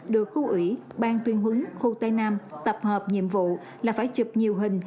đội khu ủy ban tuyên hứng khu tây nam tập hợp nhiệm vụ là phải chụp nhiều hình